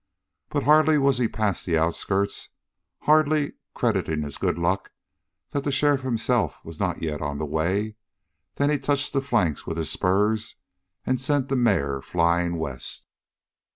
But hardly was he past the outskirts, hardly crediting his good luck that the sheriff himself was not yet on the way, than he touched the flanks with his spurs and sent the mare flying west.